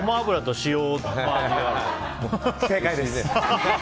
正解です！